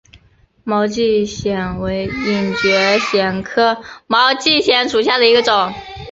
毛枝藓为隐蒴藓科毛枝藓属下的一个种。